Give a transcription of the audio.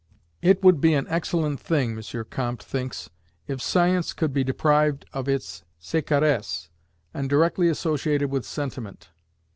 It would be an excellent thing, M. Comte thinks, if science could be deprived of its sécheresse, and directly associated with sentiment.